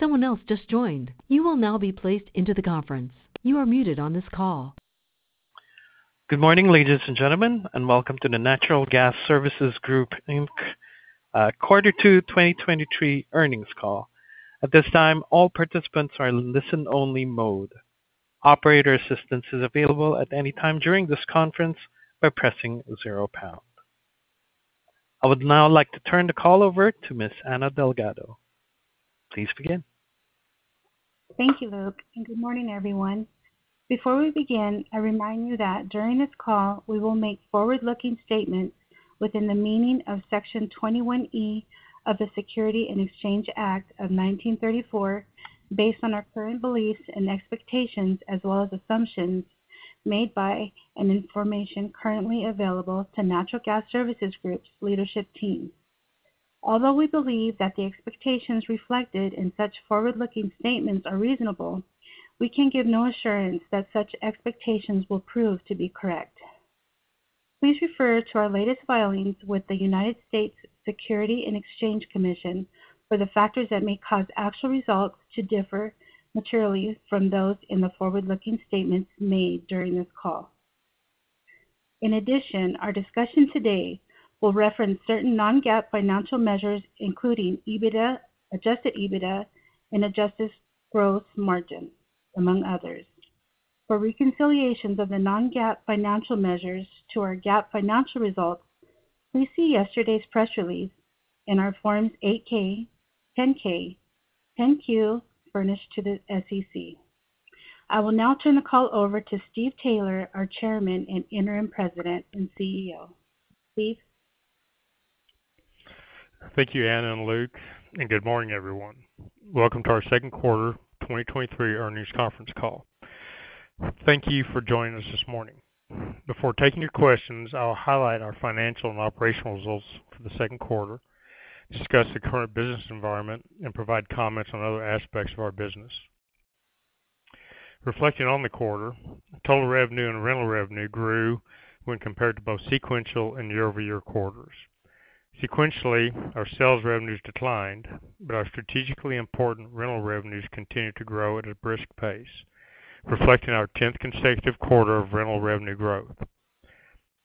Good morning, ladies and gentlemen, and welcome to the Natural Gas Services Group, Inc., Q2 2023 earnings call. At this time, all participants are in listen-only mode. Operator assistance is available at any time during this conference by pressing 0 pound. I would now like to turn the call over to Ms. Anna Delgado. Please begin. Thank you, Luke, and good morning, everyone. Before we begin, I remind you that during this call, we will make forward-looking statements within the meaning of Section 21E of the Securities Exchange Act of 1934, based on our current beliefs and expectations, as well as assumptions made by and information currently available to Natural Gas Services Group's leadership team. Although we believe that the expectations reflected in such forward-looking statements are reasonable, we can give no assurance that such expectations will prove to be correct. Please refer to our latest filings with the United States Securities and Exchange Commission for the factors that may cause actual results to differ materially from those in the forward-looking statements made during this call. In addition, our discussion today will reference certain non-GAAP financial measures, including EBITDA, Adjusted EBITDA, and adjusted gross margin, among others. For reconciliations of the non-GAAP financial measures to our GAAP financial results, please see yesterday's press release in our forms 8-K, 10-K, 10-Q, furnished to the SEC. I will now turn the call over to Steve Taylor, our chairman and interim president and CEO. Steve? Thank you, Anna and Luke. Good morning, everyone. Welcome to our second quarter 2023 earnings conference call. Thank you for joining us this morning. Before taking your questions, I'll highlight our financial and operational results for the second quarter, discuss the current business environment, and provide comments on other aspects of our business. Reflecting on the quarter, total revenue and rental revenue grew when compared to both sequential and year-over-year quarters. Sequentially, our sales revenues declined, our strategically important rental revenues continued to grow at a brisk pace, reflecting our 10th consecutive quarter of rental revenue growth.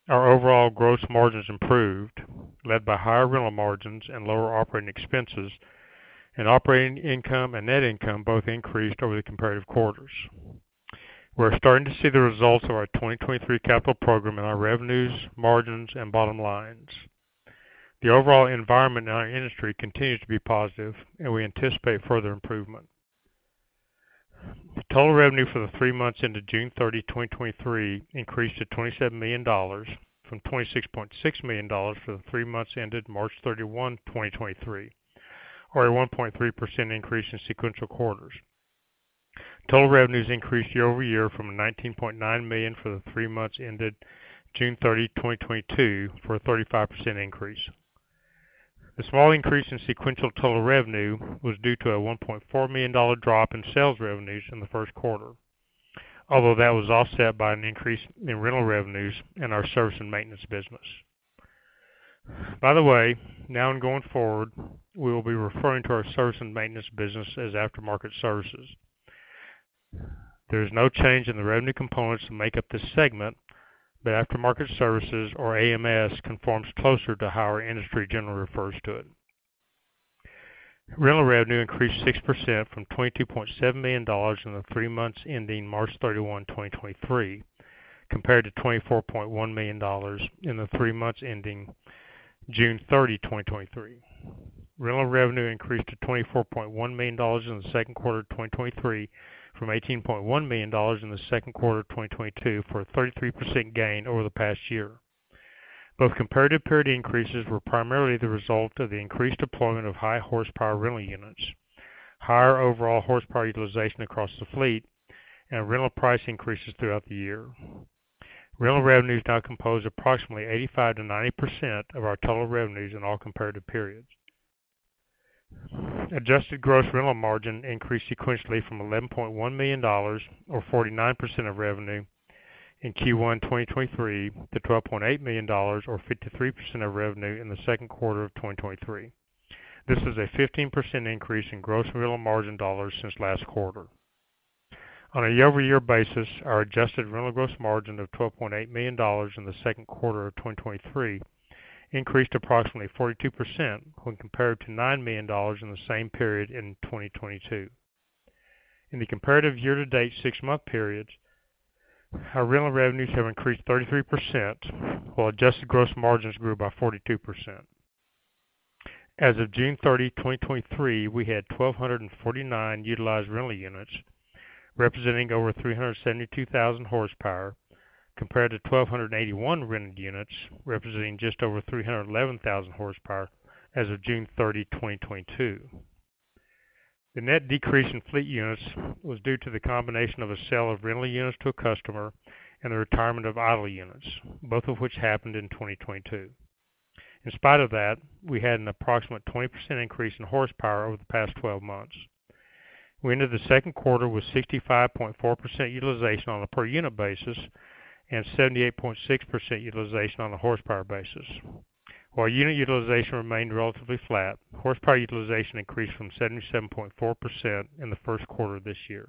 Our overall gross margins improved, led by higher rental margins and lower operating expenses, operating income and net income both increased over the comparative quarters. We're starting to see the results of our 2023 capital program in our revenues, margins, and bottom lines. The overall environment in our industry continues to be positive, and we anticipate further improvement. Total revenue for the three months ended June 30, 2023, increased to $27,000,000 from $26,600,000 for the three months ended March 31, 2023, or a 1.3% increase in sequential quarters. Total revenues increased year-over-year from $19,900,000 for the three months ended June 30, 2022, for a 35% increase. The small increase in sequential total revenue was due to a $1,400,000 drop in sales revenues in the first quarter, although that was offset by an increase in rental revenues in our service and maintenance business. By the way, now and going forward, we will be referring to our service and maintenance business as aftermarket services. There is no change in the revenue components that make up this segment. Aftermarket services, or AMS, conforms closer to how our industry generally refers to it. Rental revenue increased 6% from $22,700,000 in the three months ending March 31, 2023, compared to $24,100,000 in the three months ending June 30, 2023. Rental revenue increased to $24,100,000 in the second quarter of 2023, from $18,100,000 in the second quarter of 2022, for a 33% gain over the past year. Both comparative period increases were primarily the result of the increased deployment of high horsepower rental units, higher overall horsepower utilization across the fleet, and rental price increases throughout the year. Rental revenues now compose approximately 85%-90% of our total revenues in all comparative periods. Adjusted gross rental margin increased sequentially from $11,100,000, or 49% of revenue in Q1 2023, to $12,800,000, or 53% of revenue, in the second quarter of 2023. This is a 15% increase in gross rental margin dollars since last quarter. On a year-over-year basis, our adjusted rental gross margin of $12,800,000 in the second quarter of 2023 increased approximately 42% when compared to $9,000,000 in the same period in 2022. In the comparative year-to-date six-month periods, our rental revenues have increased 33%, while adjusted gross margins grew by 42%. As of June 30, 2023, we had 1,249 utilized rental units, representing over 372,000 horsepower, compared to 1,281 rented units, representing just over 311,000 horsepower as of June 30, 2022. The net decrease in fleet units was due to the combination of a sale of rental units to a customer and the retirement of idle units, both of which happened in 2022. In spite of that, we had an approximate 20% increase in horsepower over the past 12 months. We ended the second quarter with 65.4% utilization on a per unit basis and 78.6% utilization on a horsepower basis. While unit utilization remained relatively flat, horsepower utilization increased from 77.4% in the first quarter of this year.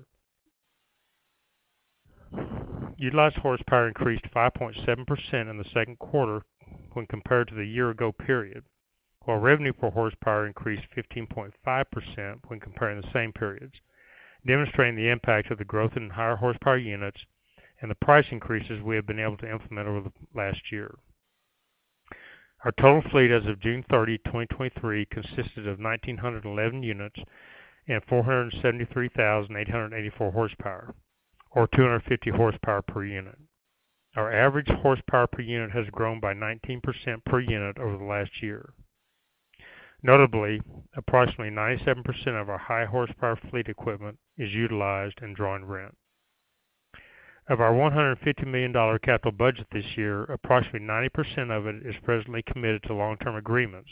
Utilized horsepower increased 5.7% in the second quarter when compared to the year-ago period, while revenue per horsepower increased 15.5% when comparing the same periods, demonstrating the impact of the growth in higher horsepower units and the price increases we have been able to implement over the last year. Our total fleet as of June 30, 2023, consisted of 1,911 units and 473,884 horsepower, or 250 horsepower per unit. Our average horsepower per unit has grown by 19% per unit over the last year. Notably, approximately 97% of our high horsepower fleet equipment is utilized and drawing rent. Of our $150,000,000 capital budget this year, approximately 90% of it is presently committed to long-term agreements,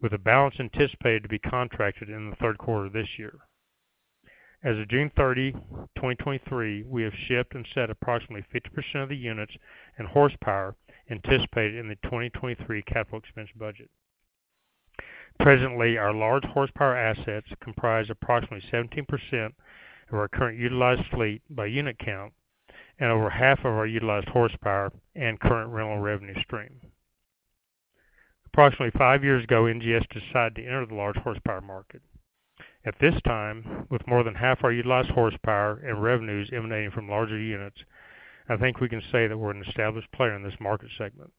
with a balance anticipated to be contracted in the 3rd quarter of this year. As of June 30, 2023, we have shipped and set approximately 50% of the units and horsepower anticipated in the 2023 capital expense budget. Presently, our large horsepower assets comprise approximately 17% of our current utilized fleet by unit count and over half of our utilized horsepower and current rental revenue stream. Approximately 5 years ago, NGS decided to enter the large horsepower market. At this time, with more than half our utilized horsepower and revenues emanating from larger units, I think we can say that we're an established player in this market segment.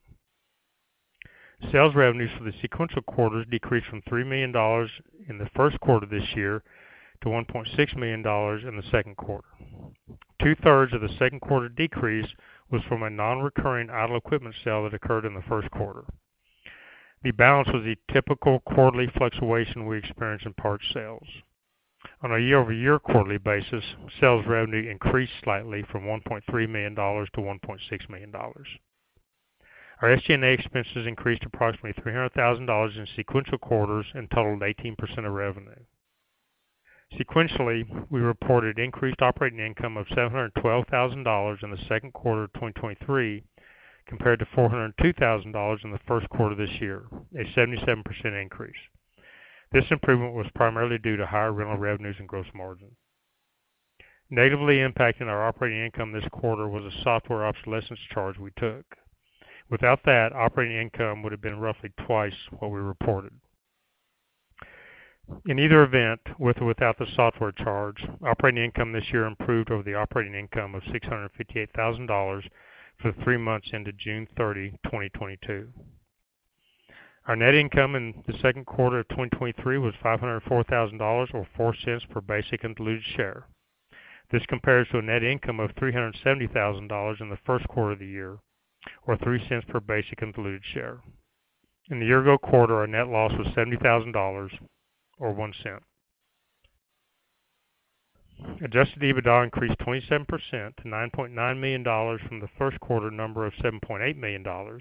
Sales revenues for the sequential quarter decreased from $3,000,000 in the first quarter of this year to $1,600,000 in the second quarter. Two-thirds of the second quarter decrease was from a non-recurring idle equipment sale that occurred in the first quarter. The balance was the typical quarterly fluctuation we experience in parts sales. On a year-over-year quarterly basis, sales revenue increased slightly from $1,300,000-$1,600,000. Our SG&A expenses increased approximately $300,000 in sequential quarters and totaled 18% of revenue. Sequentially, we reported increased operating income of $712,000 in the second quarter of 2023, compared to $402,000 in the first quarter of this year, a 77% increase. This improvement was primarily due to higher rental revenues and gross margin. Negatively impacting our operating income this quarter was a software obsolescence charge we took. Without that, operating income would have been roughly twice what we reported. In either event, with or without the software charge, operating income this year improved over the operating income of $658,000 for the 3 months ended June 30, 2022. Our net income in the second quarter of 2023 was $504,000, or $0.04 per basic and diluted share. This compares to a net income of $370,000 in the first quarter of the year, or $0.03 per basic and diluted share. In the year ago quarter, our net loss was $70,000, or $0.01. Adjusted EBITDA increased 27% to $9,900,000 from the first quarter number of $7,800,000,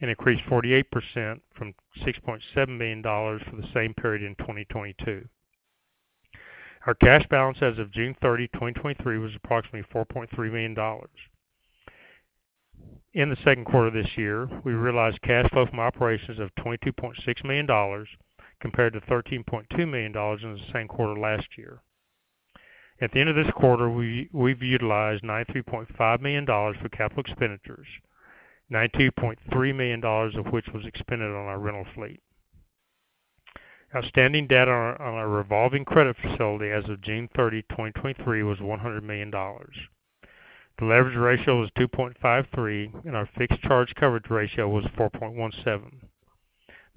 and increased 48% from $6,700,000 for the same period in 2022. Our cash balance as of June 30, 2023, was approximately $4,300,000. In the second quarter of this year, we realized cash flow from operations of $22,600,000, compared to $13,200,000 in the same quarter last year. At the end of this quarter, we've utilized $93,500,000 for capital expenditures, $92,300,000 of which was expended on our rental fleet. Outstanding debt on our, on our revolving credit facility as of June 30, 2023, was $100,000,000. The leverage ratio was 2.53. Our fixed charge coverage ratio was 4.17.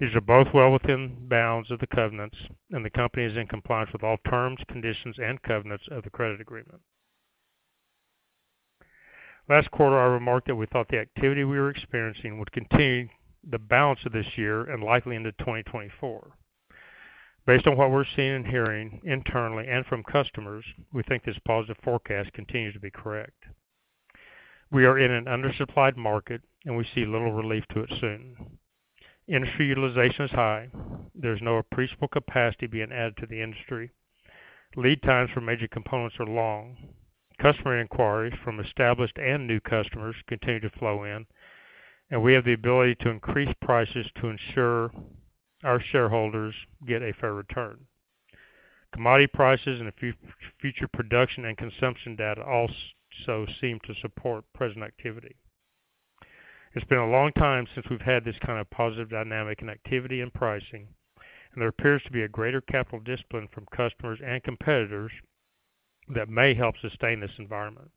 These are both well within bounds of the covenants. The company is in compliance with all terms, conditions, and covenants of the credit agreement. Last quarter, I remarked that we thought the activity we were experiencing would continue the balance of this year and likely into 2024. Based on what we're seeing and hearing internally and from customers, we think this positive forecast continues to be correct. We are in an undersupplied market. We see little relief to it soon. Industry utilization is high. There's no appreciable capacity being added to the industry. Lead times for major components are long. Customer inquiries from established and new customers continue to flow in. We have the ability to increase prices to ensure our shareholders get a fair return. Commodity prices and future production and consumption data also seem to support present activity. It's been a long time since we've had this kind of positive dynamic in activity and pricing, and there appears to be a greater capital discipline from customers and competitors that may help sustain this environment.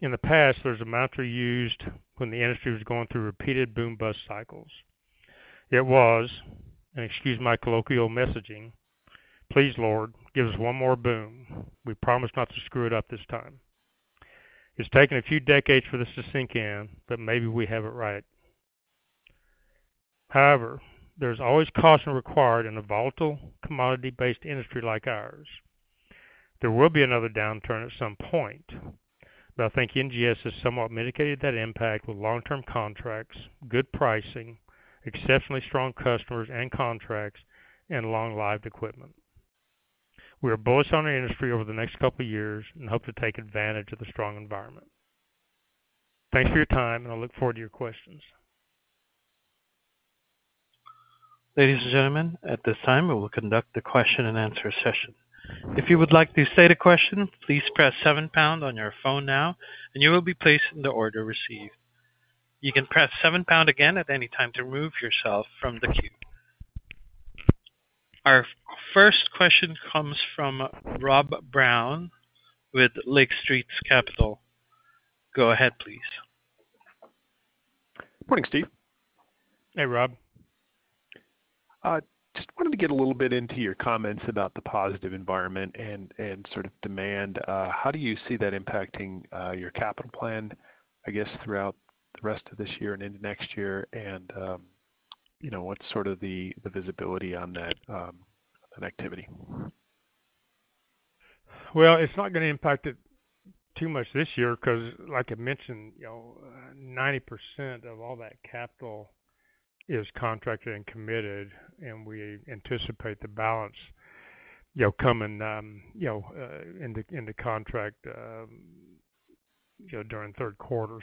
In the past, there was a mantra used when the industry was going through repeated boom-bust cycles. It was, and excuse my colloquial messaging, "Please, Lord, give us one more boom. We promise not to screw it up this time." It's taken a few decades for this to sink in, but maybe we have it right. There's always caution required in a volatile, commodity-based industry like ours. There will be another downturn at some point, but I think NGS has somewhat mitigated that impact with long-term contracts, good pricing, exceptionally strong customers and contracts, and long-lived equipment.... We are bullish on the industry over the next couple of years and hope to take advantage of the strong environment. Thank you for your time, and I look forward to your questions. Ladies and gentlemen, at this time, we will conduct the question-and-answer session. If you would like to state a question, please press 7 pound on your phone now, and you will be placed in the order received. You can press 7 pound again at any time to remove yourself from the queue. Our first question comes from Rob Brown with Lake Street Capital. Go ahead, please. Good morning, Steve. Hey, Rob. Just wanted to get a little bit into your comments about the positive environment and sort of demand. How do you see that impacting your capital plan, I guess, throughout the rest of this year and into next year? You know, what's sort of the visibility on that on activity? Well, it's not going to impact it too much this year because like I mentioned, you know, 90% of all that capital is contracted and committed, and we anticipate the balance, you know, coming, you know, in the, in the contract, you know, during the third quarter.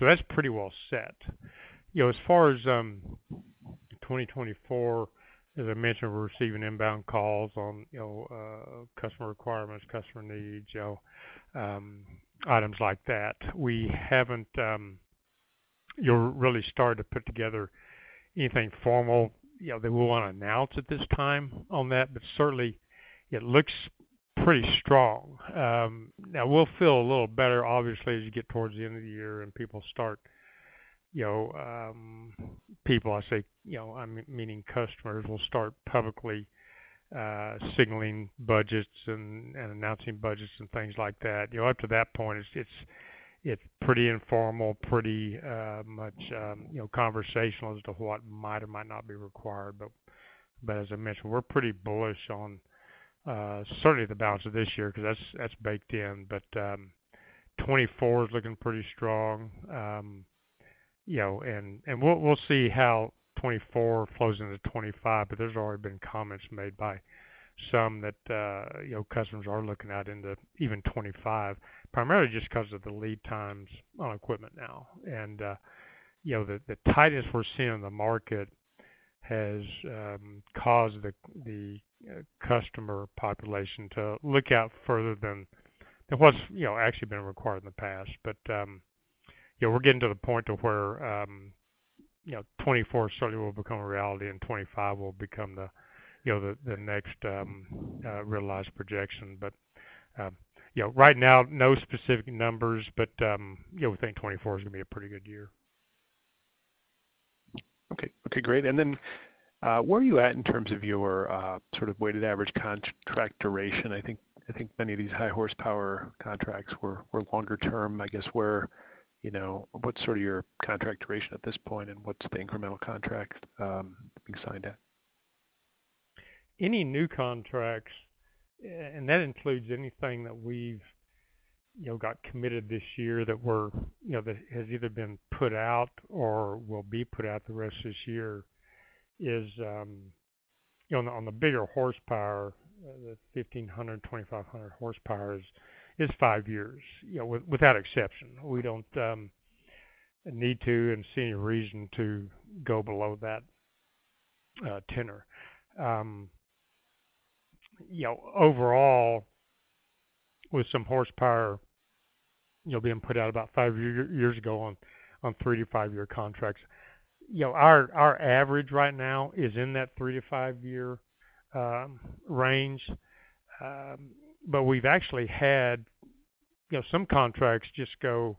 That's pretty well set. You know, as far as 2024, as I mentioned, we're receiving inbound calls on, you know, customer requirements, customer needs, you know, items like that. We haven't, you know, really started to put together anything formal, you know, that we want to announce at this time on that, but certainly it looks pretty strong. We'll feel a little better, obviously, as you get towards the end of the year and people start, you know. People, I say, you know, I'm meaning customers will start publicly signaling budgets and, and announcing budgets and things like that. You know, up to that point, it's, it's, it's pretty informal, pretty much, you know, conversational as to what might or might not be required. As I mentioned, we're pretty bullish on certainly the balance of this year, because that's, that's baked in. 2024 is looking pretty strong. You know, and, and we'll, we'll see how 2024 flows into 2025, but there's already been comments made by some that, you know, customers are looking out into even 2025, primarily just because of the lead times on equipment now. You know, the tightness we're seeing in the market has caused the customer population to look out further than what's, you know, actually been required in the past. Yeah, we're getting to the point to where, you know, 2024 certainly will become a reality and 2025 will become the, you know, the next realized projection. You know, right now, no specific numbers, but, you know, we think 2024 is going to be a pretty good year. Okay, okay, great. Where are you at in terms of your sort of weighted average contract duration? I think, I think many of these high horsepower contracts were, were longer term, I guess, where, you know, what's sort of your contract duration at this point, and what's the incremental contract being signed at? Any new contracts, and that includes anything that we've, you know, got committed this year that were, you know, that has either been put out or will be put out the rest of this year, is, you know, on the, on the bigger horsepower, the 1,500, 2,500 horsepowers, is 5 years, you know, without exception. We don't need to and see any reason to go below that tenure. You know, overall, with some horsepower, you know, being put out about 5 years ago on, on 3-5 year contracts, you know, our, our average right now is in that 3-5 year range. We've actually had, you know, some contracts just go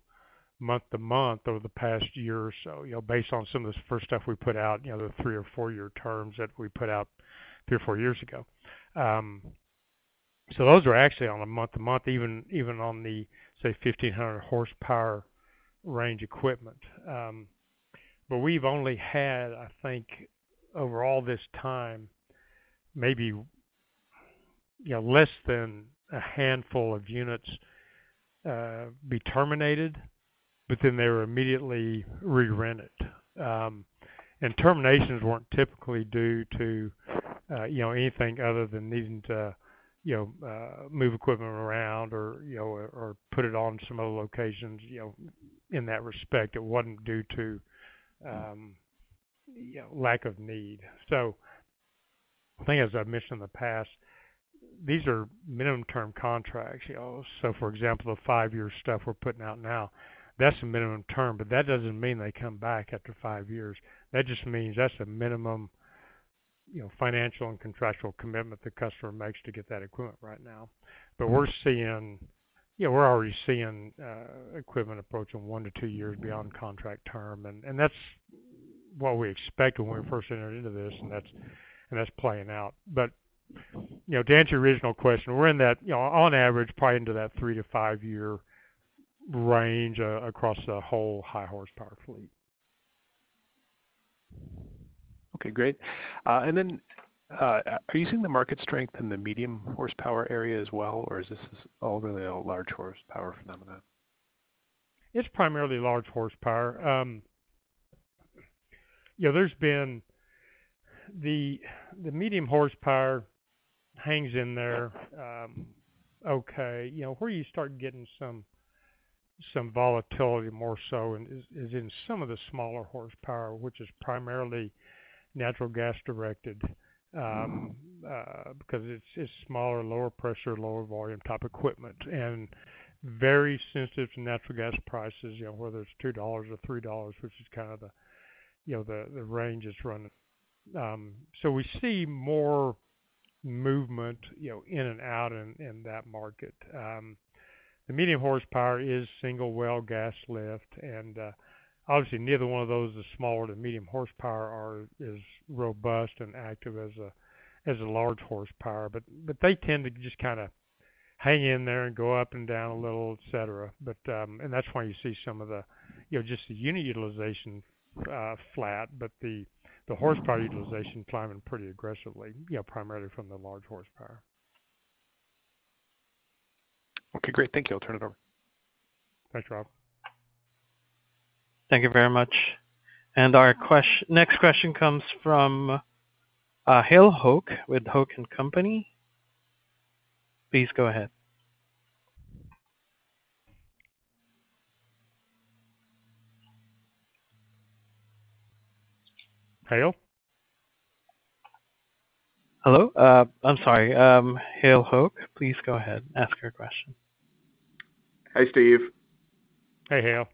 month to month over the past year or so, you know, based on some of the first stuff we put out, you know, the 3 or 4-year terms that we put out 3 or 4 years ago. Those are actually on a month to month, even, even on the, say, 1,500 horsepower range equipment. We've only had, I think, over all this time, maybe, you know, less than a handful of units, be terminated, but then they were immediately re-rented. Terminations weren't typically due to, you know, anything other than needing to, you know, move equipment around or, you know, or put it on some other locations, you know, in that respect, it wasn't due to, you know, lack of need. I think as I've mentioned in the past, these are minimum term contracts, you know. For example, the 5-year stuff we're putting out now, that's a minimum term, but that doesn't mean they come back after 5 years. That just means that's a minimum, you know, financial and contractual commitment the customer makes to get that equipment right now. We're seeing, you know, we're already seeing equipment approaching 1-2 years beyond contract term, and that's what we expected when we first entered into this, and that's playing out. You know, to answer your original question, we're in that, you know, on average, probably into that 3-5 year range across the whole high horsepower fleet. Okay, great. Then, are you seeing the market strength in the medium horsepower area as well, or is this all really a large horsepower phenomenon? It's primarily large horsepower. Yeah, there's been, the, the medium horsepower hangs in there, okay. You know, where you start getting some, some volatility more so in is, is in some of the smaller horsepower, which is primarily natural gas-directed, because it's, it's smaller, lower pressure, lower volume type equipment, and very sensitive to natural gas prices, you know, whether it's $2 or $3, which is kind of the, you know, the, the range it's running. We see more movement, you know, in and out in, in that market. The medium horsepower is single well gas lift, and, obviously, neither one of those, the small to medium horsepower are, is robust and active as a, as a large horsepower. But they tend to just kinda hang in there and go up and down a little, et cetera. That's why you see some of the, you know, just the unit utilization, flat, but the, the horsepower utilization climbing pretty aggressively, you know, primarily from the large horsepower. Okay, great. Thank you. I'll turn it over. Thanks, Rob. Thank you very much. Our next question comes from, Hale Hoak with Hoak and Company. Please go ahead. Hale? Hello? I'm sorry, Hale Hoak, please go ahead, ask your question. Hey, Steve. Hey, Hale.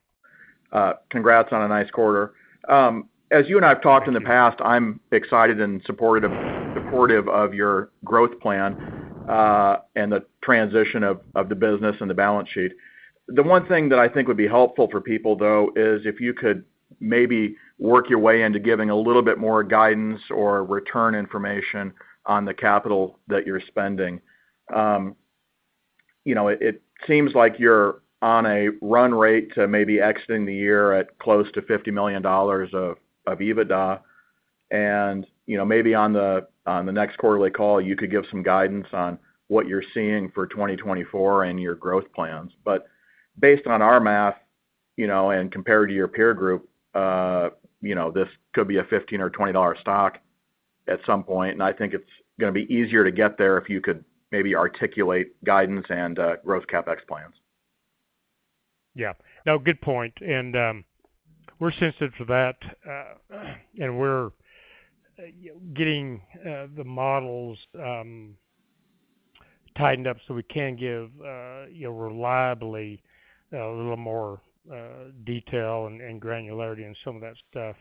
Congrats on a nice quarter. As you and I have talked in the past, I'm excited and supportive, supportive of your growth plan, and the transition of, of the business and the balance sheet. The one thing that I think would be helpful for people, though, is if you could maybe work your way into giving a little bit more guidance or return information on the capital that you're spending. You know, it, it seems like you're on a run rate to maybe exiting the year at close to $50,000,000 of, of EBITDA. You know, maybe on the, on the next quarterly call, you could give some guidance on what you're seeing for 2024 and your growth plans. Based on our math, you know, and compared to your peer group, you know, this could be a $15 or $20 stock at some point, and I think it's gonna be easier to get there if you could maybe articulate guidance and growth CapEx plans. Yeah. No, good point. We're sensitive to that, and we're, you know, getting the models tightened up so we can give, you know, reliably, a little more detail and, and granularity in some of that stuff.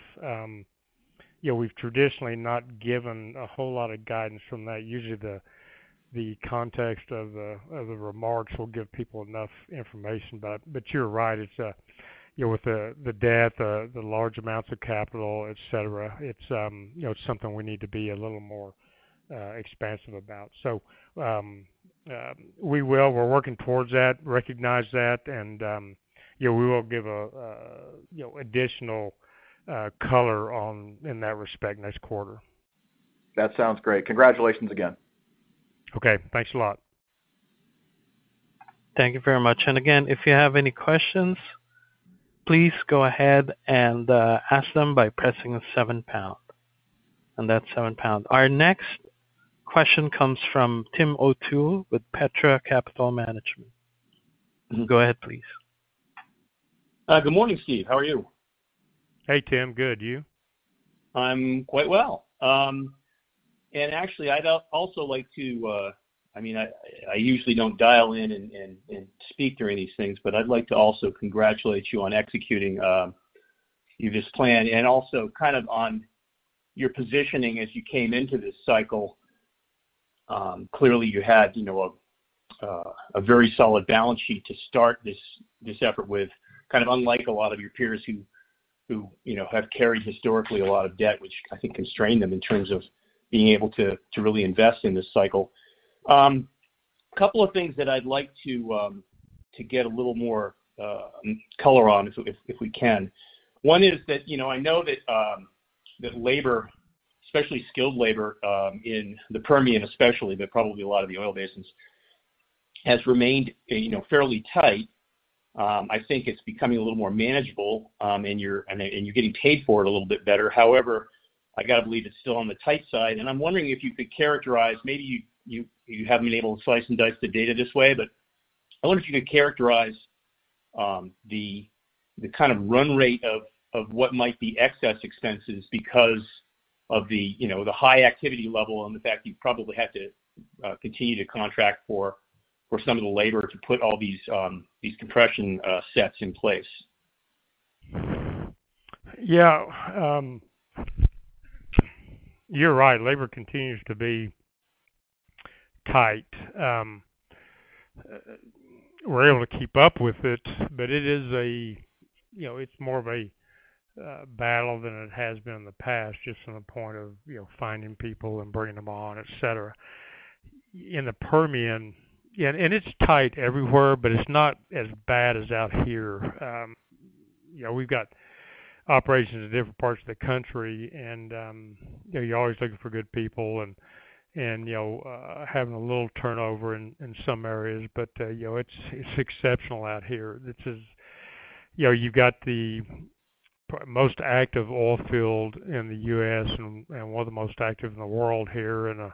You know, we've traditionally not given a whole lot of guidance from that. Usually, the, the context of the, of the remarks will give people enough information, but, but you're right. It's, you know, with the, the debt, the, the large amounts of capital, et cetera, it's, you know, something we need to be a little more expansive about. We will. We're working towards that, recognize that, and, yeah, we will give a, you know, additional color on, in that respect next quarter. That sounds great. Congratulations again. Okay, thanks a lot. Thank you very much. Again, if you have any questions, please go ahead and ask them by pressing 7 pound. That's 7 pound. Our next question comes from Tim O'Toole with Petra Capital Partners. Go ahead, please. Good morning, Steve. How are you? Hey, Tim. Good. You? I'm quite well. Actually, I'd also like to, I mean, I, I usually don't dial in and, and, and speak during these things, but I'd like to also congratulate you on executing your this plan and also kind of on your positioning as you came into this cycle. Clearly, you had, you know, a very solid balance sheet to start this, this effort with, kind of unlike a lot of your peers who, who, you know, have carried historically a lot of debt, which I think constrained them in terms of being able to, to really invest in this cycle. Couple of things that I'd like to get a little more color on if, if, if we can. One is that, you know, I know that, that labor, especially skilled labor, in the Permian especially, but probably a lot of the oil basins, has remained, you know, fairly tight. I think it's becoming a little more manageable, and you're, and, and you're getting paid for it a little bit better. However, I gotta believe it's still on the tight side, and I'm wondering if you could characterize, maybe you, you, you haven't been able to slice and dice the data this way, but I wonder if you could characterize, the, the kind of run rate of, of what might be excess expenses because of the, you know, the high activity level and the fact you probably have to, continue to contract for, for some of the labor to put all these, these compression, sets in place? Yeah, you're right. Labor continues to be tight. We're able to keep up with it, but it is a, you know, it's more of a battle than it has been in the past, just from the point of, you know, finding people and bringing them on, et cetera. In the Permian, and it's tight everywhere, but it's not as bad as out here. You know, we've got operations in different parts of the country, and, you know, you're always looking for good people, and, you know, having a little turnover in, in some areas, but, you know, it's, it's exceptional out here. This is, you know, you've got the most active oil field in the US and, and one of the most active in the world here, and,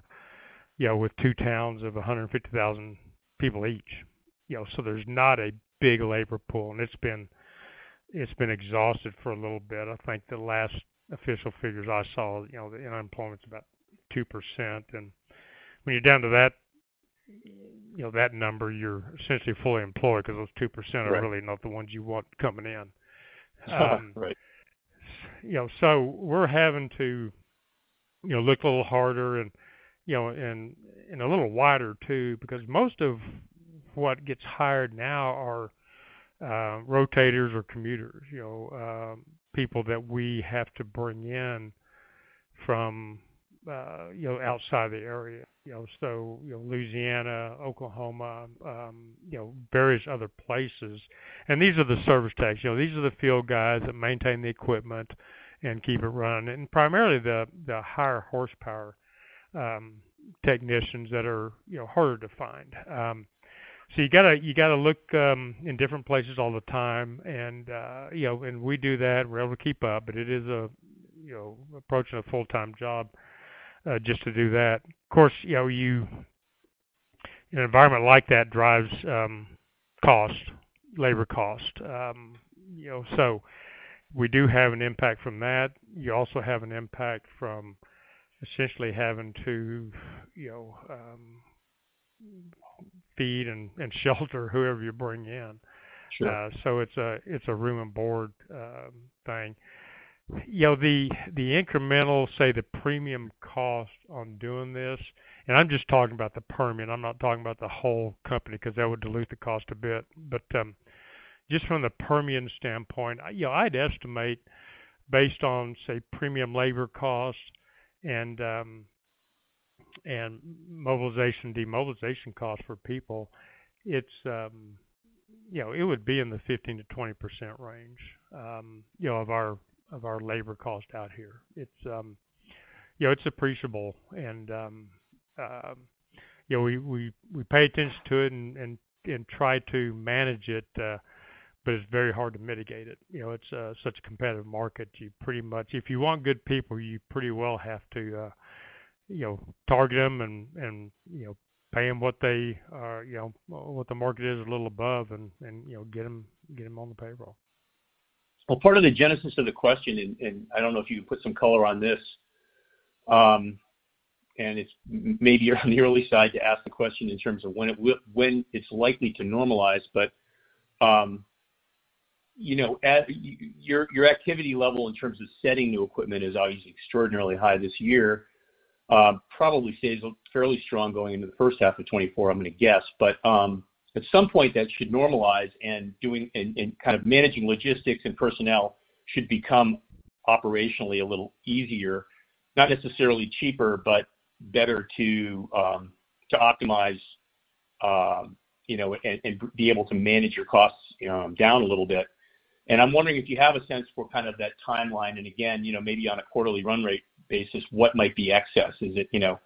you know, with two towns of 150,000 people each. You know, so there's not a big labor pool, and it's been, it's been exhausted for a little bit. I think the last official figures I saw, you know, the unemployment's about 2%. When you're down to that, you know, that number, you're essentially fully employed because those 2%- Right are really not the ones you want coming in. Right. You know, we're having to, you know, look a little harder and, you know, and, and a little wider too, because most of what gets hired now are rotators or commuters, you know, people that we have to bring in from, you know, outside the area. You know, you know, Louisiana, Oklahoma, you know, various other places. And these are the service techs, you know, these are the field guys that maintain the equipment and keep it running, and primarily the, the higher horsepower, technicians that are, you know, harder to find. You gotta, you gotta look in different places all the time and, you know, and we do that. We're able to keep up, but it is a, you know, approaching a full-time job, just to do that. Of course, you know, you. An environment like that drives, cost, labor cost. You know, we do have an impact from that. You also have an impact from essentially having to, you know, feed and, and shelter whoever you bring in. Sure. It's a room and board thing. You know, the incremental, say, the premium cost on doing this, and I'm just talking about the Permian, I'm not talking about the whole company, 'cause that would dilute the cost a bit. Just from the Permian standpoint, you know, I'd estimate based on, say, premium labor costs and mobilization, demobilization costs for people, it's, you know, it would be in the 15%-20% range, you know, of our, of our labor cost out here. It's, you know, it's appreciable and, you know, we, we, we pay attention to it and, and, and try to manage it, but it's very hard to mitigate it. You know, it's such a competitive market. You pretty much... If you want good people, you pretty well have to, you know, target them and, and, you know, pay them what they are, you know, what the market is, a little above and, and, you know, get them, get them on the payroll. Well, part of the genesis of the question, and I don't know if you can put some color on this, it's maybe you're on the early side to ask the question in terms of when it's likely to normalize. You know, at your activity level in terms of setting new equipment is obviously extraordinarily high this year, probably stays fairly strong going into the first half of 2024, I'm gonna guess. At some point, that should normalize and doing, and kind of managing logistics and personnel should become operationally a little easier. Not necessarily cheaper, but better to optimize, you know, and be able to manage your costs down a little bit. I'm wondering if you have a sense for kind of that timeline, and again, you know, maybe on a quarterly run rate basis, what might be excess? Is it, you know,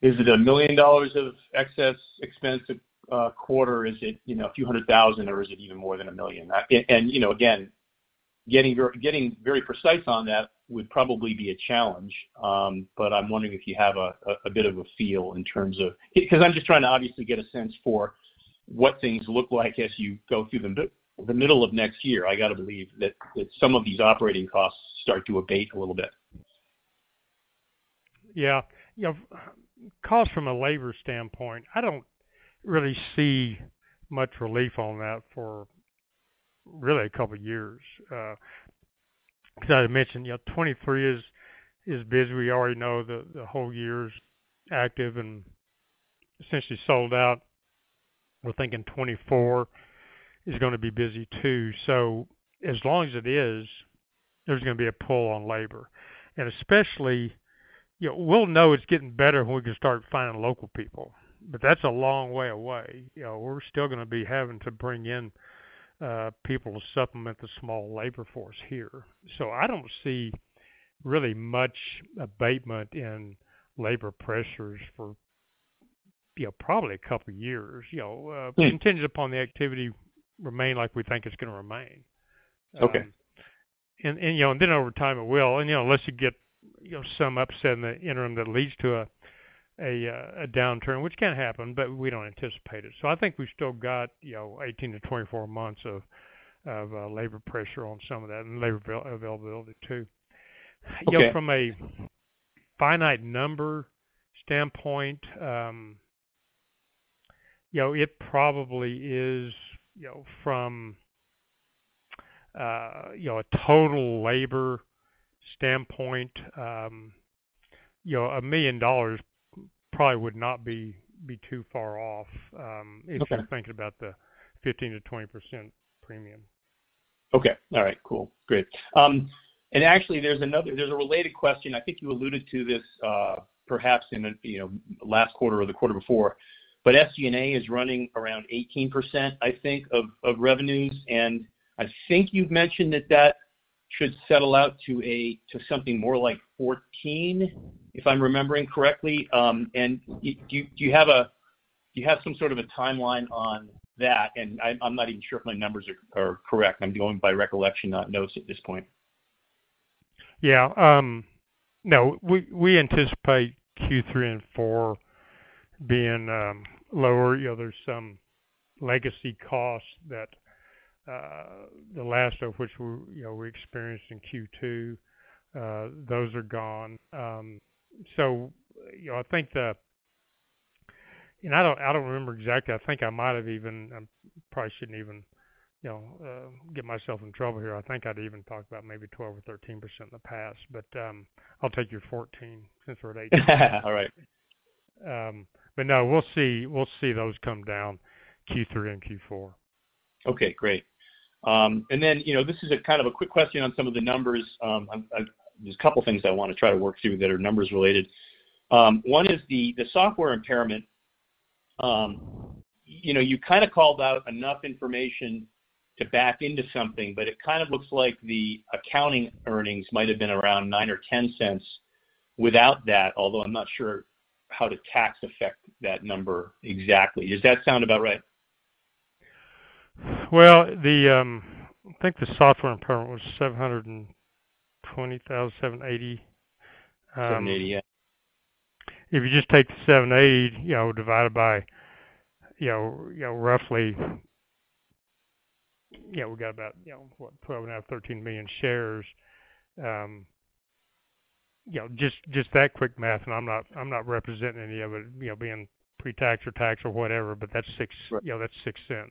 is it $1,000,000 of excess expense a quarter? Is it, you know, a few hundred thousand dollars, or is it even more than $1,000,000? You know, again, getting very, getting very precise on that would probably be a challenge, but I'm wondering if you have a bit of a feel in terms of... 'Cause I'm just trying to obviously get a sense for what things look like as you go through the middle of next year. I gotta believe that, that some of these operating costs start to abate a little bit. Yeah. You know, costs from a labor standpoint, I don't really see much relief on that for really a couple of years. 'Cause I had mentioned, you know, 2023 is, is busy. We already know the, the whole year is active and essentially sold out. We're thinking 2024 is gonna be busy too. As long as it is, there's gonna be a pull on labor. Especially, you know, we'll know it's getting better when we can start finding local people, but that's a long way away. You know, we're still gonna be having to bring in people to supplement the small labor force here. I don't see really much abatement in labor pressures for, you know, probably a couple of years. You know. Mm-hmm... contingent upon the activity remain like we think it's gonna remain. Okay. You know, and then over time, it will. Unless you get, you know, some upset in the interim that leads to a, a downturn, which can happen, but we don't anticipate it. I think we've still got, you know, 18-24 months of, of labor pressure on some of that, and labor availability too. Okay. You know, from a finite number standpoint, you know, it probably is, you know, from, you know, a total labor standpoint, you know, $1,000,000 probably would not be, be too far off. Okay... if you're thinking about the 15%-20% premium. Okay. All right, cool. Great. Actually, there's a related question. I think you alluded to this, perhaps in the, you know, last quarter or the quarter before, but SG&A is running around 18%, I think, of, of revenues, and I think you've mentioned that should settle out to a, to something more like 14%, if I'm remembering correctly. Do you have some sort of a timeline on that? I'm not even sure if my numbers are, are correct. I'm going by recollection, not notes at this point. Yeah. No, we, we anticipate Q3 and 4 being lower. You know, there's some legacy costs that, the last of which we, you know, we experienced in Q2, those are gone. You know, I think the-- and I don't, I don't remember exactly. I think I might have even, probably shouldn't even, you know, get myself in trouble here. I think I'd even talked about maybe 12% or 13% in the past, but, I'll take your 14% since we're at 18%. All right. No, we'll see, we'll see those come down Q3 and Q4. Okay, great. You know, this is a kind of a quick question on some of the numbers. There's a couple of things I want to try to work through that are numbers related. One is the, the software impairment. You know, you kind of called out enough information to back into something, but it kind of looks like the accounting earnings might have been around $0.09 or $0.10 without that, although I'm not sure how the tax affect that number exactly. Does that sound about right? Well, the, I think the software impairment was $720,780. $780, yeah. If you just take the $780, you know, divided by, you know, you know, roughly, you know, we got about, you know, what? 12,500,000-13,000,000 shares. You know, just that quick math, and I'm not representing any of it, you know, being pre-tax or tax or whatever, but that's six-. Right. You know, that's $0.06.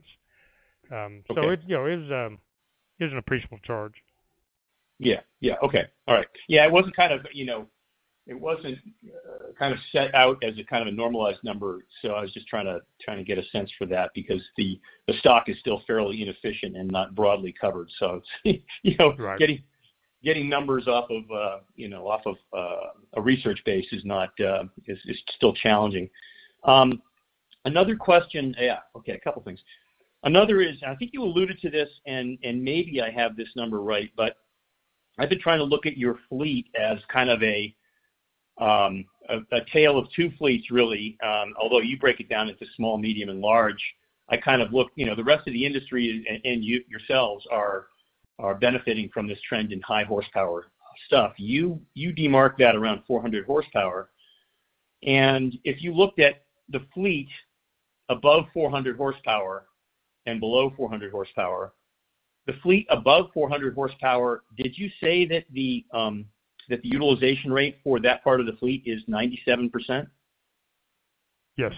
Okay. You know, it is, it is an appreciable charge. Yeah, yeah. Okay. All right. Yeah, it wasn't kind of, you know, it wasn't kind of set out as a kind of a normalized number, so I was just trying to, trying to get a sense for that because the, the stock is still fairly inefficient and not broadly covered. You know. Right. Getting, getting numbers off of, you know, off of, a research base is not, is, is still challenging. Another question... Yeah, okay, a couple of things. Another is, and I think you alluded to this, and, and maybe I have this number right, but I've been trying to look at your fleet as kind of a, a, a tale of two fleets, really, although you break it down into small, medium, and large. I kind of look, you know, the rest of the industry and, and you yourselves are, are benefiting from this trend in high horsepower stuff. You, you demark that around 400 horsepower. If you looked at the fleet above 400 horsepower and below 400 horsepower, the fleet above 400 horsepower, did you say that the utilization rate for that part of the fleet is 97%? Yes.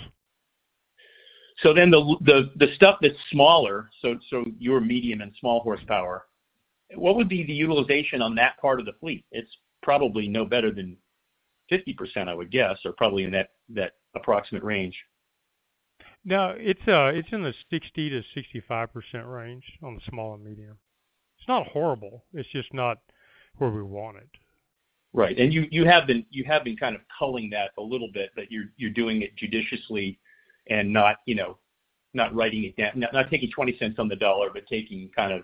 The stuff that's smaller, so, so your medium and small horsepower, what would be the utilization on that part of the fleet? It's probably no better than 50%, I would guess, or probably in that, that approximate range. No, it's, it's in the 60%-65% range on the small and medium. It's not horrible. It's just not where we want it. Right. You, you have been, you have been kind of culling that a little bit, but you're, you're doing it judiciously and not, you know, not writing it down, not taking $0.20 on the dollar, but taking kind of,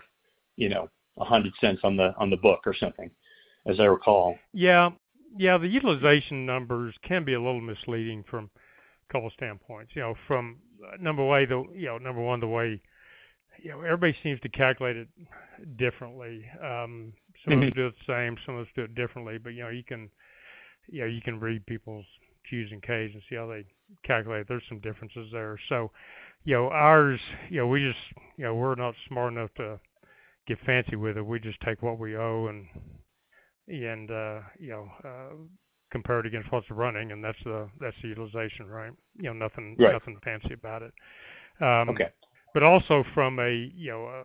you know, $1.00 on the, on the book or something, as I recall. Yeah. Yeah, the utilization numbers can be a little misleading from a couple of standpoints. You know, from number way, though, you know, number one. You know, everybody seems to calculate it differently. Mm-hmm. Some of us do it the same, some of us do it differently, but, you know, you can, you know, you can read people's 10-Qs and 10-Ks and see how they calculate. There's some differences there. You know, ours, you know, we just, you know, we're not smart enough to get fancy with it. We just take what we owe and, and, you know, compare it against what's running, and that's the, that's the utilization, right? You know, nothing- Right. Nothing fancy about it. Okay. Also from a, you know,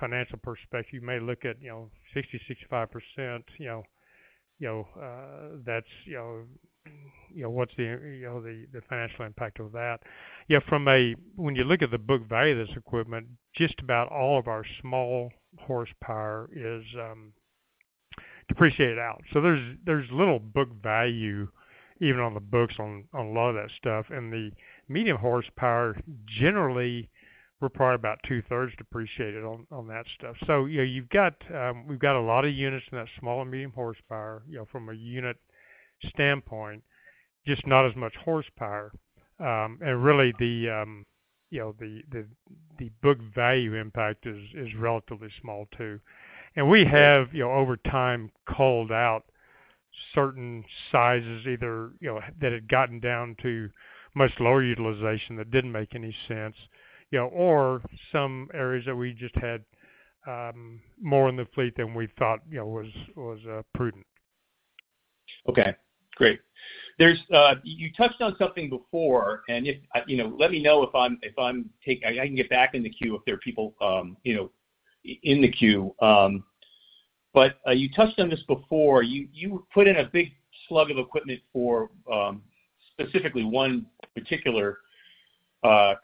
financial perspective, you may look at, you know, 60%-65%, you know, that's, you know, what's the, you know, the, the financial impact of that? You know, from a, when you look at the book value of this equipment, just about all of our small horsepower is depreciated out. There's, there's little book value, even on the books, on, on a lot of that stuff. The medium horsepower, generally, we're probably about two-thirds depreciated on, on that stuff. You know, you've got, we've got a lot of units in that small and medium horsepower, you know, from a unit standpoint, just not as much horsepower. And really the, you know, the, the, the book value impact is, is relatively small, too. Right. We have, you know, over time, culled out certain sizes, either, you know, that had gotten down to much lower utilization that didn't make any sense, you know, or some areas that we just had more in the fleet than we thought, you know, was, was prudent. Okay, great. There's, you touched on something before, and if, you know, let me know if I can get back in the queue if there are people, you know, in the queue. You touched on this before. You put in a big slug of equipment for specifically one particular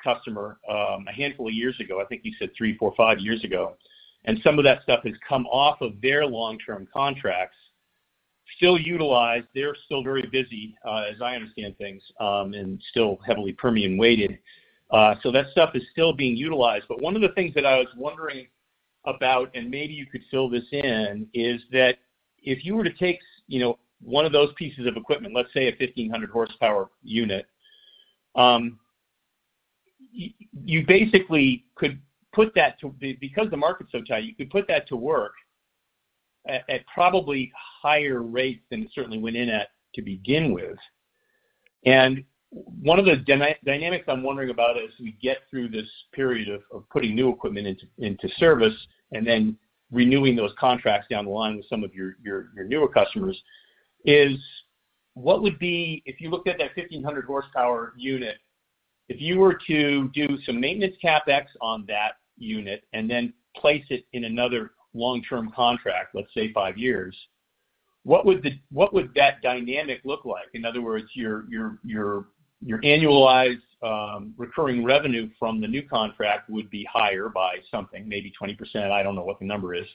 customer a handful of years ago. I think you said 3, 4, 5 years ago. Some of that stuff has come off of their long-term contracts. Still utilized, they're still very busy, as I understand things, and still heavily Permian weighted. So that stuff is still being utilized. One of the things that I was wondering about, and maybe you could fill this in, is that if you were to take, you know, one of those pieces of equipment, let's say a 1,500 horsepower unit, you basically could put that because the market's so tight, you could put that to work at, at probably higher rates than it certainly went in at to begin with. One of the dynamics I'm wondering about as we get through this period of, of putting new equipment into, into service and then renewing those contracts down the line with some of your, your, your newer customers, is what would be if you looked at that 1,500 horsepower unit, if you were to do some maintenance CapEx on that unit and then place it in another long-term contract, let's say five years, what would that dynamic look like? In other words, your, your, your, your annualized recurring revenue from the new contract would be higher by something, maybe 20%. I don't know what the number is.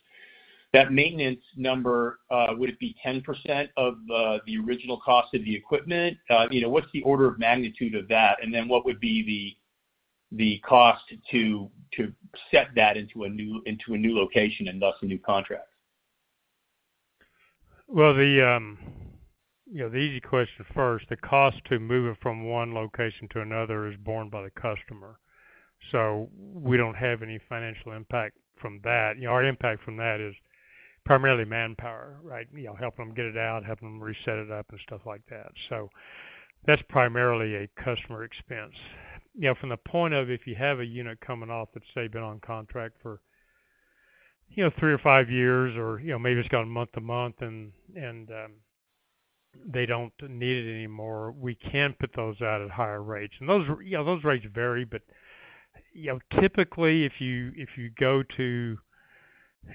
That maintenance number, would it be 10% of the original cost of the equipment? You know, what's the order of magnitude of that? Then what would be the cost to set that into a new location and thus a new contract? Well, the, you know, the easy question first, the cost to move it from one location to another is borne by the customer. We don't have any financial impact from that. You know, our impact from that is primarily manpower, right? You know, helping them get it out, helping them reset it up, and stuff like that. That's primarily a customer expense. You know, from the point of if you have a unit coming off that's, say, been on contract for, you know, three or five years or, you know, maybe it's gone month to month and, and, they don't need it anymore, we can put those out at higher rates. Those, you know, those rates vary, but, you know, typically, if you, if you go to,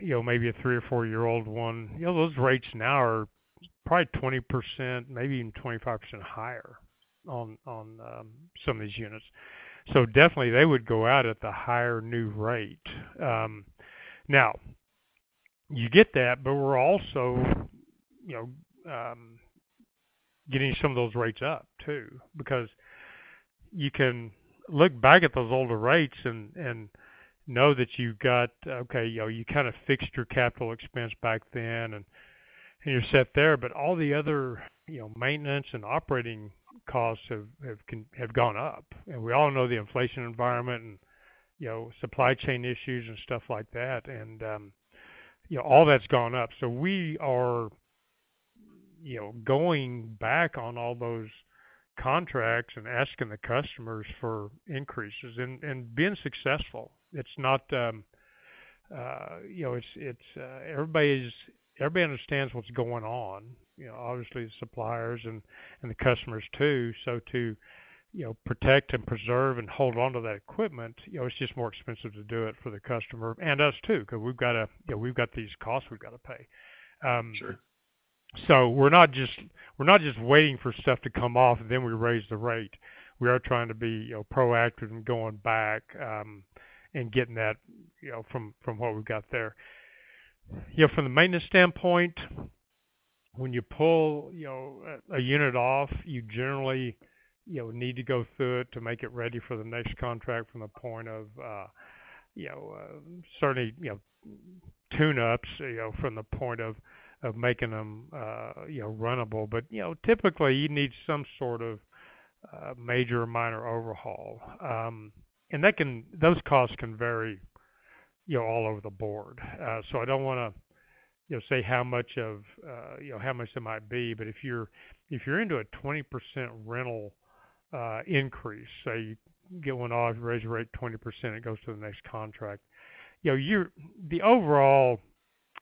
you know, maybe a 3 or 4-year-old one, you know, those rates now are probably 20%, maybe even 25% higher on, on, some of these units. Definitely they would go out at the higher new rate. Now, you get that, but we're also, you know, getting some of those rates up, too, because you can look back at those older rates and, and know that you've got... Okay, you know, you fixed your capital expense back then, and, and you're set there, but all the other, you know, maintenance and operating costs have, have gone up. We all know the inflation environment and, you know, supply chain issues and stuff like that, and, you know, all that's gone up. We are, you know, going back on all those contracts and asking the customers for increases and, and being successful. It's not. You know, it's, it's, everybody understands what's going on, you know, obviously, the suppliers and, and the customers, too. To, you know, protect and preserve and hold on to that equipment, you know, it's just more expensive to do it for the customer, and us, too, because you know, we've got these costs we've got to pay. Sure. We're not just, we're not just waiting for stuff to come off, and then we raise the rate. We are trying to be, you know, proactive in going back, and getting that, you know, from, from what we've got there. You know, from the maintenance standpoint, when you pull, you know, a, a unit off, you generally, you know, need to go through it to make it ready for the next contract from a point of, you know, certainly, you know, tune-ups, you know, from the point of, of making them, you know, runnable. Typically, you know, you need some sort of, major or minor overhaul. Those costs can vary, you know, all over the board. I don't want to, you know, say how much of, you know, how much it might be, but if you're, if you're into a 20% rental, increase, say, you get one off, raise your rate 20%, it goes to the next contract. You know, you're the overall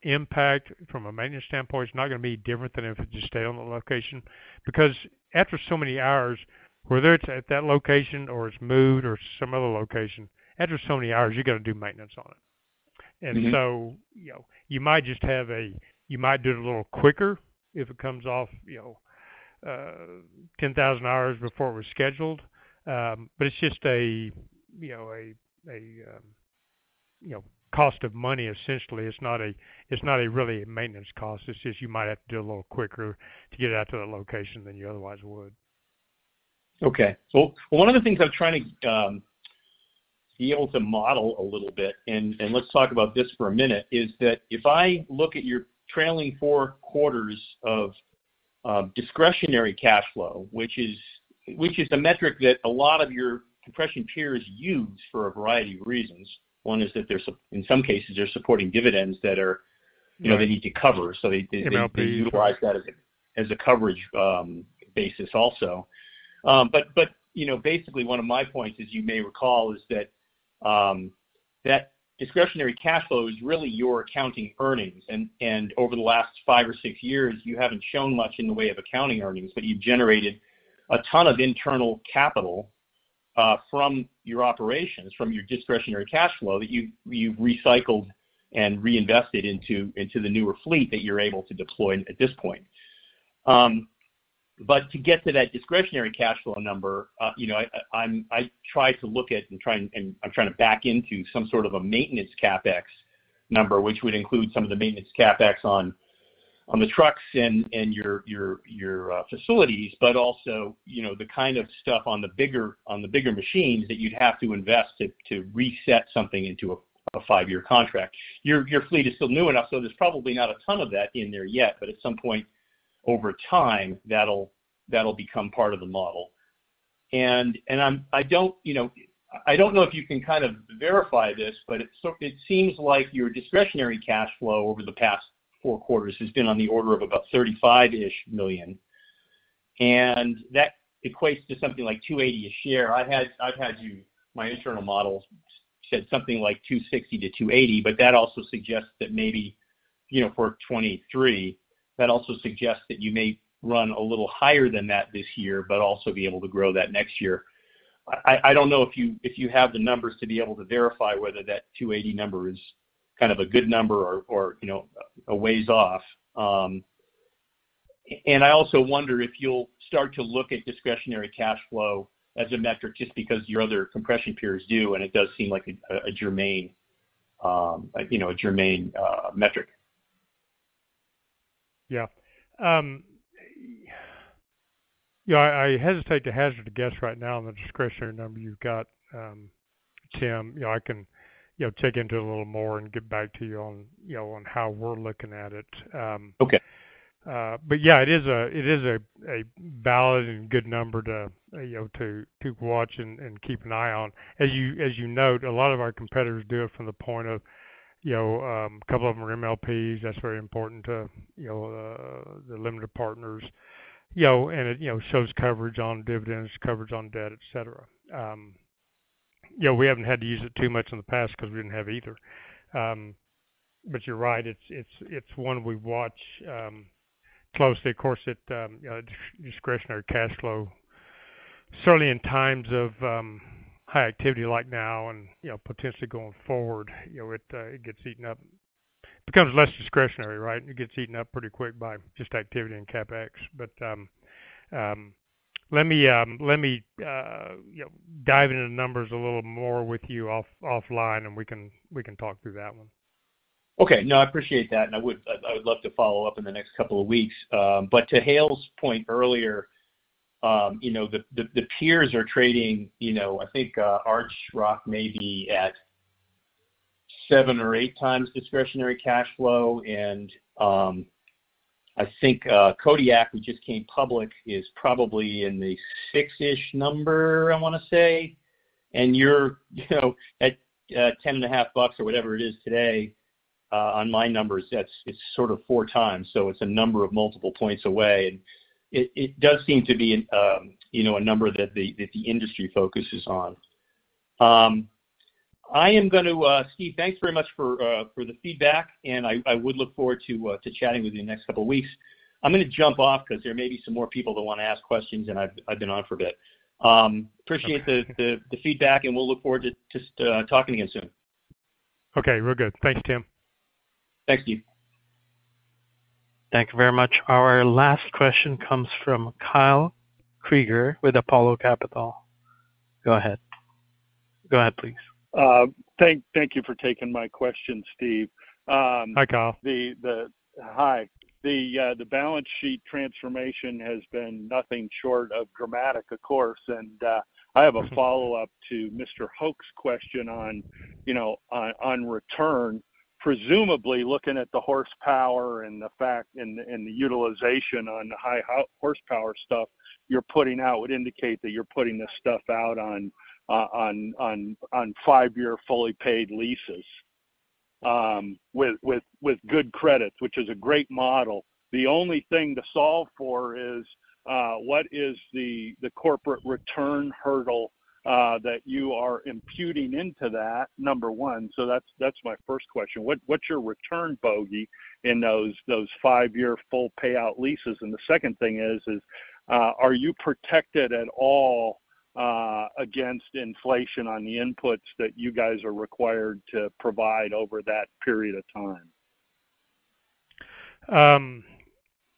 impact from a maintenance standpoint is not going to be different than if it just stayed on the location, because after so many hours, whether it's at that location or it's moved or some other location, after so many hours, you're going to do maintenance on it. Mm-hmm. You know, you might just do it a little quicker if it comes off, you know, 10,000 hours before it was scheduled. It's just a, you know, cost of money, essentially. It's not a, it's not a really maintenance cost. It's just you might have to do it a little quicker to get it out to the location than you otherwise would. Okay. One of the things I'm trying to be able to model a little bit, and, and let's talk about this for a minute, is that if I look at your trailing four quarters of discretionary cash flow, which is, which is the metric that a lot of your compression peers use for a variety of reasons. One is that in some cases, they're supporting dividends that are- Yeah. You know, they need to cover, so they- You know. - they utilize that as a coverage, basis also. You know, basically, one of my points, as you may recall, is that, that discretionary cash flow is really your accounting earnings, and, and over the last 5 or 6 years, you haven't shown much in the way of accounting earnings, but you've generated a ton of internal capital, from your operations, from your discretionary cash flow, that you've, you've recycled and reinvested into, into the newer fleet that you're able to deploy at this point. To get to that discretionary cash flow number, you know, I, I'm, I try to look at and try and, and I'm trying to back into some sort of a maintenance CapEx number, which would include some of the maintenance CapEx on, on the trucks and, and your, your, your facilities, but also, you know, the kind of stuff on the bigger, on the bigger machines that you'd have to invest to, to reset something into a five-year contract. Your, your fleet is still new enough, so there's probably not a ton of that in there yet, but at some point over time, that'll, that'll become part of the model. I don't, you know, I don't know if you can kind of verify this, but it seems like your discretionary cash flow over the past four quarters has been on the order of about $35,000,000-ish, and that equates to something like $2.80 a share. My internal model said something like $2.60-$2.80, but that also suggests that maybe, you know, for 2023, that also suggests that you may run a little higher than that this year, but also be able to grow that next year. I don't know if you, if you have the numbers to be able to verify whether that $2.80 number is kind of a good number or, or, you know, a ways off. I also wonder if you'll start to look at discretionary cash flow as a metric, just because your other compression peers do, and it does seem like a, a germane, you know, a germane, metric. Yeah. Yeah, I, I hesitate to hazard a guess right now on the discretionary number you've got, Tim. You know, I can, you know, dig into it a little more and get back to you on, you know, on how we're looking at it. Okay. Yeah, it is a, it is a, a valid and good number to, you know, to, to watch and, and keep an eye on. As you, as you note, a lot of our competitors do it from the point of, you know, a couple of them are MLPs. That's very important to, you know, the limited partners. You know, and it, you know, shows coverage on dividends, coverage on debt, et cetera. You know, we haven't had to use it too much in the past because we didn't have either. You're right, it's, it's, it's one we watch closely. Of course, it, you know, discretionary cash flow, certainly in times of high activity like now and, you know, potentially going forward, you know, it, it gets eaten up. Becomes less discretionary, right? It gets eaten up pretty quick by just activity and CapEx. Let me, you know, dive into the numbers a little more with you off-offline, and we can, we can talk through that one. Okay. No, I appreciate that, and I would, I, I would love to follow up in the next couple of weeks. To Hale's point earlier, you know, the, the, the peers are trading, you know, I think Archrock may be at 7 or 8 times discretionary cash flow, and I think Kodiak, who just came public, is probably in the 6-ish number, I want to say. You're, you know, at $10.50 or whatever it is today, on my numbers, that's- it's sort of 4 times, so it's a number of multiple points away. It, it does seem to be, you know, a number that the, that the industry focuses on. I am going to... Steve, thanks very much for the feedback, and I, I would look forward to chatting with you in the next couple of weeks. I'm going to jump off because there may be some more people that want to ask questions, and I've, I've been on for a bit. Appreciate the, the, the feedback, and we'll look forward to just talking again soon. Okay, we're good. Thanks, Tim. Thank you. Thank you very much. Our last question comes from Kyle Krueger with Apollo Capital. Go ahead. Go ahead, please. Thank, thank you for taking my question, Steve. Hi, Kyle. Hi. The balance sheet transformation has been nothing short of dramatic, of course. Mm-hmm. I have a follow-up to Mr. Hoch's question on, you know, on, on return. Presumably, looking at the horsepower and the fact and the, and the utilization on the high horsepower stuff you're putting out, would indicate that you're putting this stuff out on, on, on, on 5-year fully paid leases, with, with, with good credit, which is a great model. The only thing to solve for is, what is the, the corporate return hurdle, that you are imputing into that, number 1? That's, that's my first question. What, what's your return bogey in those, those 5-year full payout leases? The second thing is, is, are you protected at all, against inflation on the inputs that you guys are required to provide over that period of time?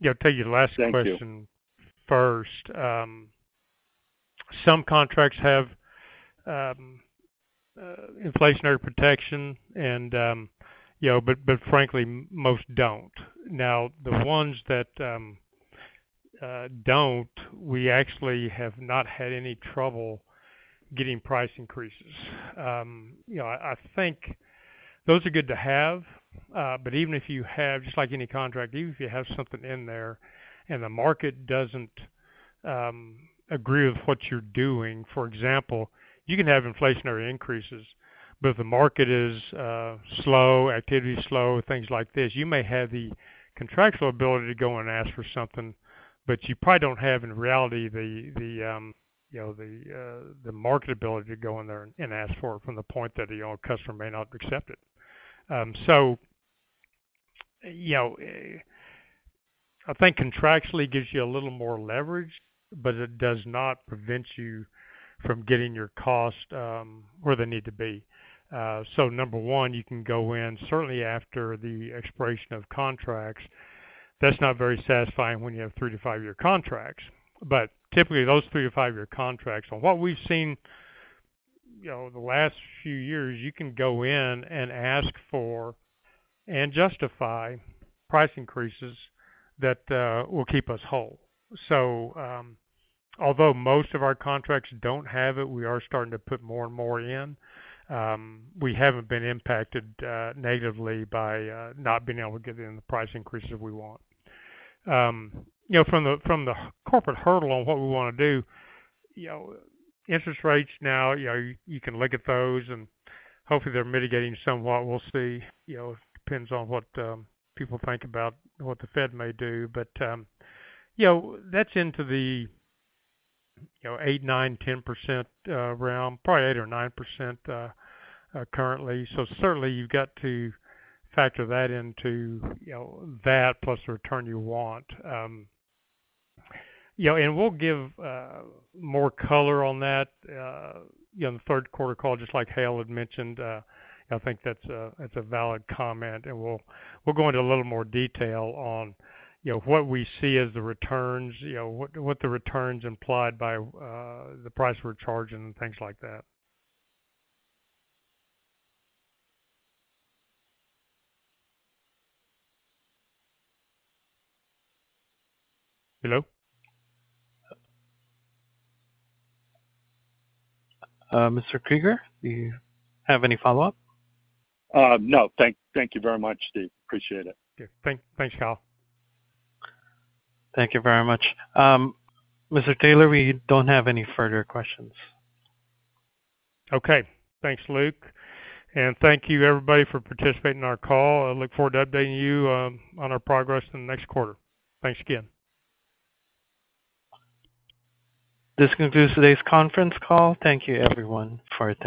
Yeah, I'll tell you the last- Thank you.... question first. Some contracts have inflationary protection and, you know, but, but frankly, most don't. The ones that don't, we actually have not had any trouble getting price increases. You know, I, I think those are good to have, but even if you have, just like any contract, even if you have something in there and the market doesn't agree with what you're doing, for example, you can have inflationary increases, but if the market is slow, activity is slow, things like this, you may have the contractual ability to go and ask for something, but you probably don't have, in reality, the, the, you know, the market ability to go in there and ask for it from the point that your customer may not accept it. You know, I think contractually gives you a little more leverage, but it does not prevent you from getting your cost where they need to be. Number 1, you can go in, certainly after the expiration of contracts. That's not very satisfying when you have 3-5 year contracts. Typically, those 3-5 year contracts on what we've seen-... you know, the last few years, you can go in and ask for and justify price increases that will keep us whole. Although most of our contracts don't have it, we are starting to put more and more in. We haven't been impacted negatively by not being able to get in the price increases we want. You know, from the, from the corporate hurdle on what we want to do, you know, interest rates now, you know, you can look at those, and hopefully, they're mitigating somewhat. We'll see. You know, it depends on what people think about what Federal Reserve may do. You know, that's into the, you know, 8%, 9%, 10% realm, probably 8% or 9% currently. Certainly, you've got to factor that into, you know, that plus the return you want. You know, and we'll give more color on that, you know, in the third quarter call, just like Hale had mentioned. I think that's a, that's a valid comment, and we'll, we'll go into a little more detail on, you know, what we see as the returns, you know, what, what the returns implied by, the price we're charging and things like that. Hello? Mr. Krieger, do you have any follow-up? No. Thank, thank you very much, Steve. Appreciate it. Yeah. Thank, thanks, Kyle. Thank you very much. Mr. Taylor, we don't have any further questions. Okay. Thanks, Luke. Thank you, everybody, for participating in our call. I look forward to updating you on our progress in the next quarter. Thanks again. This concludes today's conference call. Thank you everyone for attending.